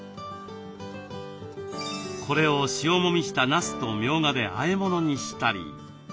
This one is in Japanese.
これを塩もみしたなすとみょうがであえ物にしたり。